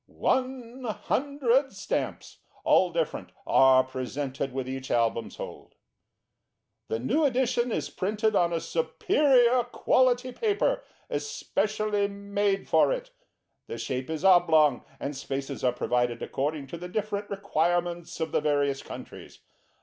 One Hundred Stamps, all different, are presented with each Album sold. [Illustration: COVER OF NO. 3.] This new Edition is printed on a superior quality paper, especially made for it. The shape is oblong, and spaces are provided according to the different requirements of the various countries.